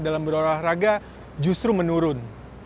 dalam berolahraga justru menurun